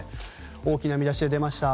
大きな見出しで出ました。